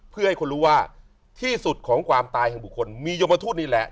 เพื่อให้คนรู้ว่าที่สุดของความตายแห่งบุคคลมียมทูตนี่แหละ